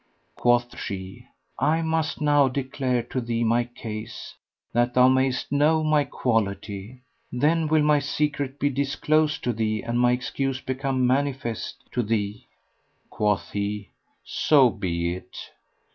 Quoth she, "I must now declare to thee my case, that thou mayst know my quality; then will my secret be disclosed to thee and my excuse become manifest to thee." Quoth he, "So be it!"